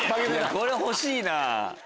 これ欲しいな。